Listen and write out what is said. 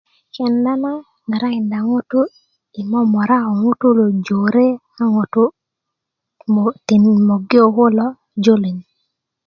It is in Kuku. kenda na ŋarakinda ŋutu i momora ko ŋutu jore a ŋutu mogi kokulo julin